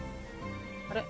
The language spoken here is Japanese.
あれ？